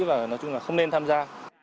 và nói chung là không nên tham gia